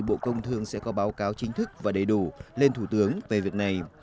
bộ công thương sẽ có báo cáo chính thức và đầy đủ lên thủ tướng về việc này